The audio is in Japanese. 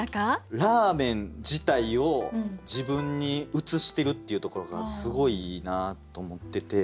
ラーメン自体を自分に映してるっていうところがすごいいいなと思ってて。